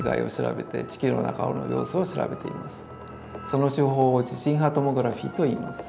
その手法を「地震波トモグラフィー」といいます。